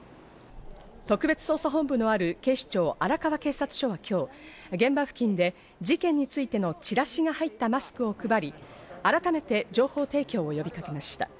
特別捜査本部のある警視庁荒川警察署は今日、現場付近で事件についてのチラシが入ったマスクを配り、改めて情報提供を呼びかけました。